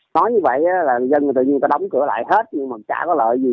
nói như vậy là dân tự nhiên ta đóng cửa lại hết nhưng mà chả có lợi gì